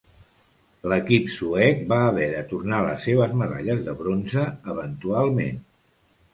L'equip suec va haver de tornar les seves medalles de bronze eventualment.